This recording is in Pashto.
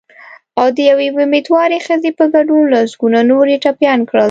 او د یوې امېندوارې ښځې په ګډون لسګونه نور یې ټپیان کړل